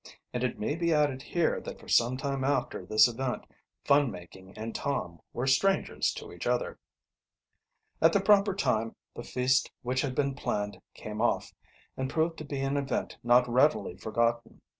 And it may be added here that for some time after this event fun making and Tom were strangers to each other. At the proper time the feast which had been planned came off, and proved to be an event not readily forgotten.